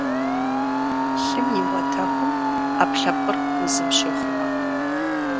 Лъым и уатэхум Ӏэпкълъэпкъыр узым щехъумэ.